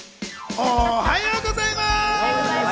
おはようございます！